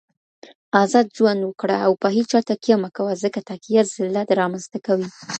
اﺯاﺩ ﮊﻭﻧﺩ ﻭڪړه اﻭ ﭘﻪ ﻫېـﭼا ﺗڪﻳﻪ ﻣﻪ ڪﻭه ځـڪﻪ ﺗڪﻳﻪ ﺫﻟﺖ ﺭاﻣﻧځـﺗﻪ ڪﻭې .